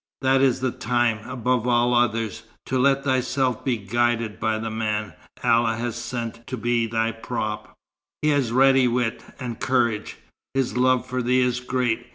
That is the time, above all others, to let thyself be guided by the man Allah has sent to be thy prop. He has ready wit and courage. His love for thee is great.